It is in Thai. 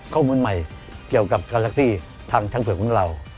ข้อมูลใหม่เกี่ยวกับการแท็กซี่ทางช่างเผือกของเรา